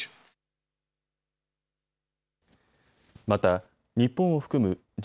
また、日本を含むＧ７